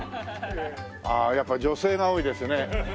ああやっぱ女性が多いですね。